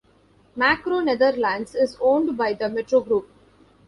Makro Netherlands is owned by the Metro Group.